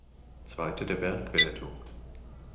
Zweiter der Bergwertung.